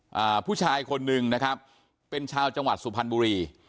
อ่าผู้ชายคนหนึ่งนะครับเป็นชาวจังหวัดสุพรรณบุรี